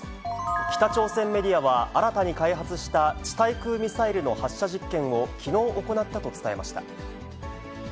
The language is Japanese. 北朝鮮メディアは、新たに開発した地対空ミサイルの発射実験を、きのう行ったと伝えました。